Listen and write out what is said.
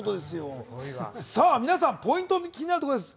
皆さん、ポイントが気になるところです。